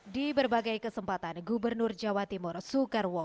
di berbagai kesempatan gubernur jawa timur soekarwo